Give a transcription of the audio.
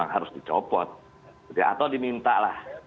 harus dicopot atau dimintalah